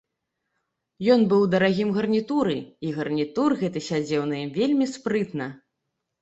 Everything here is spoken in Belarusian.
Ён быў у дарагім гарнітуры, і гарнітур гэты сядзеў на ім вельмі спрытна.